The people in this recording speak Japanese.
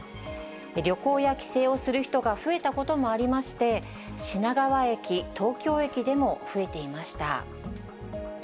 旅行や帰省をする人が増えたこともありまして、品川駅、東京駅でも増えていました。